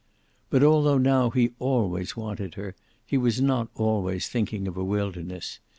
But altho now he always wanted her, he was not always thinking of a wilderness.